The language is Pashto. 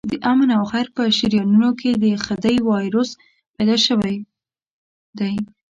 د آمن او خیر په شریانونو کې د خدۍ وایروس پیدا شوی دی.